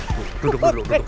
duduk dulu duduk